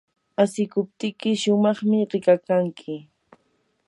asikuptiyki shumaqmi rikakanki.